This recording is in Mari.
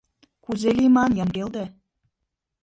Кузе лийман, Янгелде?